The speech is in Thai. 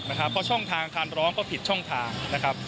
เพราะช่องทางการร้องก็ผิดช่องทางนะครับ